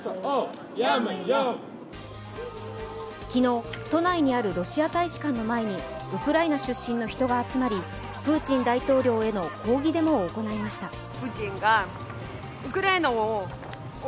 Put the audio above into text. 昨日、都内にあるロシア大使館の前にウクライナ出身の人が集まり、プーチン大統領への抗議デモを行いました。